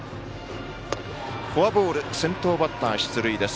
フォアボール先頭バッター、出塁です。